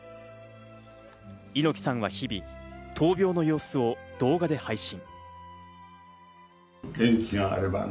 猪木さんは日々闘病の様子を動画で配信。